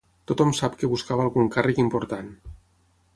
Tothom sap que buscava algun càrrec important.